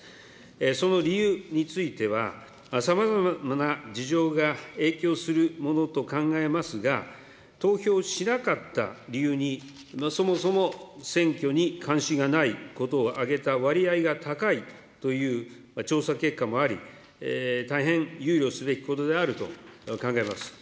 その理由については、さまざまな事情が影響するものと考えますが、投票しなかった理由に、そもそも選挙に関心がないことを挙げた割合が高いという調査結果もあり、大変憂慮すべきことであると考えます。